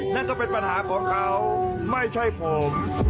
นั่นก็เป็นปัญหาของเขาไม่ใช่ผม